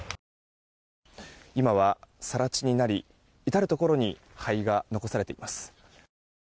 今は更地になり至るところに灰が残されています。